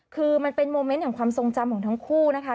คือมันเป็นโมเมนต์แห่งความทรงจำของทั้งคู่นะคะ